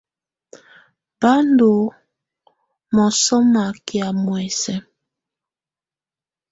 Bá ndɔ̀ mɔ̀sɔmà kɛ̀á muɛ̀sɛ̀.